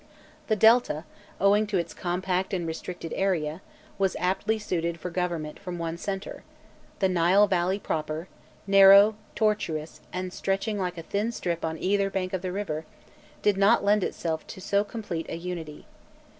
The Delta, owing to its compact and restricted area, was aptly suited for government from one centre; the Nile valley proper, narrow, tortuous, and stretching like a thin strip on either bank of the river, did not lend itself to so complete a unity.